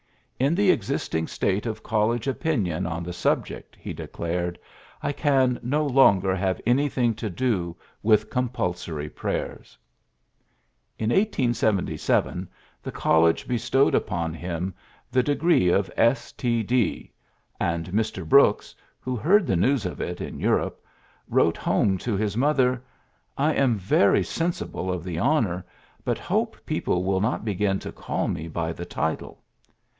^^In the exist ing state of college opinion on the sub ject/' he declared, ^^I can no longer have anji:hing to do with compulsory prayers." In 1877 the college bestowed upon him the degree of S.T.D. 5 and IVIr. Brooks who heard the news of it in Europe wrote home to his mother, "I am very sensible of the honor, but hope people will not begin to call me by the title."